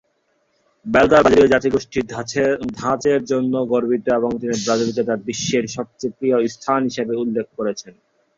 Bell তার ব্রাজিলীয় জাতীগোষ্ঠীয় ধাঁচের জন্য গর্বিত, এবং তিনি ব্রাজিলকে তার বিশ্বের সবচেয়ে প্রিয় স্থান হিসেবে উল্লেখ করেছেন।